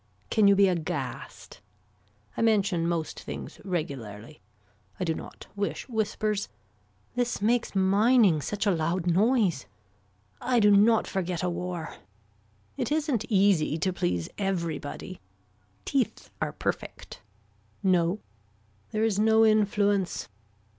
Can you be aghast. I mention most things regularly. I do not wish whispers. This makes mining such a loud noise. I do not forget a war. It isn't easy to please everybody. Teeth are perfect. No. There is no influence.